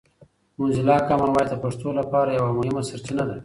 موزیلا کامن وایس د پښتو لپاره یوه مهمه سرچینه ده.